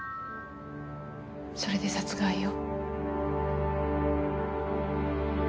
それで殺害を？